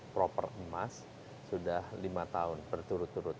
proper emas sudah lima tahun berturut turut